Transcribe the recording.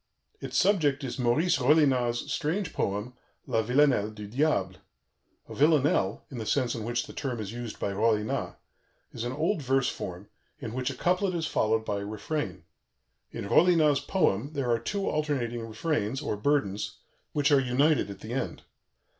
Its subject is Maurice Rollinat's strange poem, La Villanelle du Diable. A "villanelle" (in the sense in which the term is used by Rollinat) is an old verse form in which a couplet is followed by a refrain. In Rollinat's poem there are two alternating refrains, or burdens, which are united at the end.